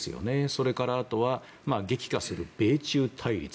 それから、あとは激化する米中対立。